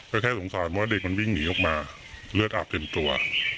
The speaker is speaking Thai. ก็แค่สงสารเพราะเด็กมันวิ่งหนีออกมาเลือดอาบเต็มตัว